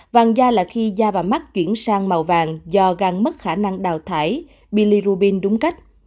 vàng da là khi da và mắt chuyển sang màu vàng do gan mất khả năng đào thải billy rubin đúng cách